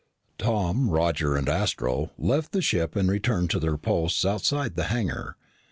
Tom, Roger, and Astro left the ship and returned to their posts outside the hangar.